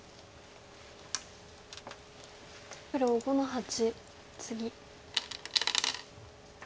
黒５の八ツギ。